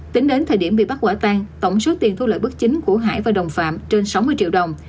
tính đến thời điểm bị bắt quả tan tổng số tiền thu lợi bất chính của hải và đồng phạm trên sáu mươi triệu đồng